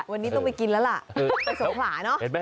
วันนี้ต้องไปกินแล้วล่ะไปสงขลาเนอะ